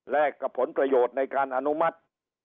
กับผลประโยชน์ในการอนุมัติ